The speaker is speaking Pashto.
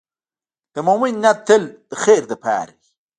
د مؤمن نیت تل د خیر لپاره وي.